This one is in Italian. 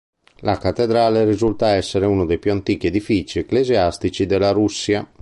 La cattedrale risulta essere uno dei più antichi edifici ecclesiastici della Russia.